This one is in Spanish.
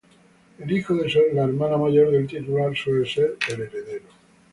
El hijo de la hermana mayor del titular suele ser el heredero.